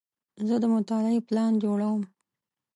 زه د مطالعې پلان جوړوم.